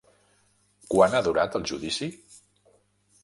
Quant ha durat el judici?